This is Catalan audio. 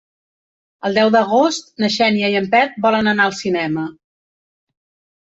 El deu d'agost na Xènia i en Pep volen anar al cinema.